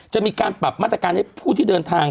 จะมีการปรับมาตรการให้ผู้ที่เดินทาง